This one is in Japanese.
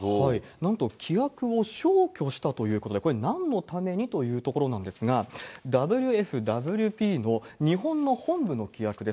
なんと規約を消去したということで、これ、なんのためにというところなんですが、ＷＦＷＰの日本の本部の規約です。